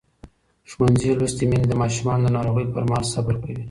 ښوونځې لوستې میندې د ماشومانو د ناروغۍ پر مهال صبر کوي.